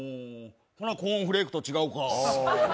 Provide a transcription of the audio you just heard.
ほな、コーンフレークと違うか。